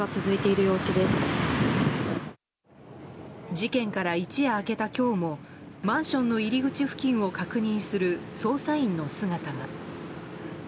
事件から一夜明けた今日もマンションの入り口付近を確認する、捜査員の姿が。